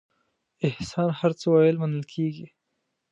احسان هر څه ویل منل کېږي.